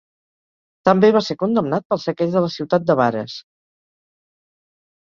També va ser condemnat pel saqueig de la ciutat de Vares.